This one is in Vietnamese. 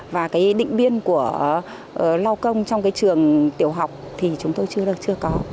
và cái định biên của lao công trong cái trường tiểu học thì chúng tôi chưa có